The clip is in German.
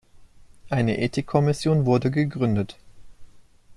Eine Ethik-Kommission wurde gegründet.